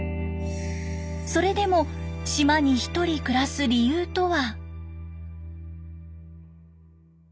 それでも島に一人暮らす理由とは？